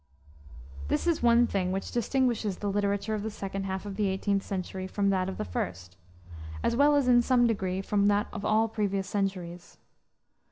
This is one thing which distinguishes the literature of the second half of the 18th century from that of the first, as well as in some degree from that of all previous centuries.